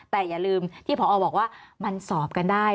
แต่อย่าลืมที่พอบอกว่ามันสอบกันได้